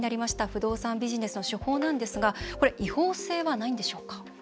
不動産ビジネスの手法なんですがこれ、違法性はないんでしょうか。